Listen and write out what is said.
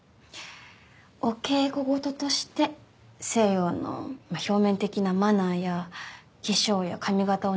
お稽古事として西洋の表面的なマナーや化粧や髪形を習えばいいって。